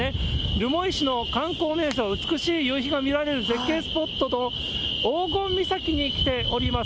留萌市の観光名所、美しい夕日が見られる絶景スポットの黄金岬に来ております。